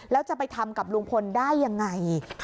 แล้วจะไปทำกับลุงพลได้ยังไง